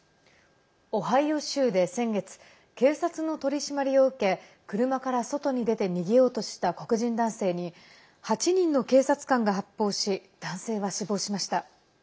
オハイオ州で先月警察の取り締まりを受け車から外に出て逃げようとした黒人男性に８人の警察官が発砲し男性は死亡しました。